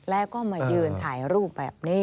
แล้วก็มายืนถ่ายรูปแบบนี้